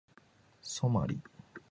ソマリ